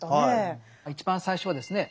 一番最初はですね